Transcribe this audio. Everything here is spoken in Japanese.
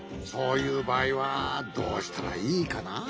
そういうばあいはどうしたらいいかな。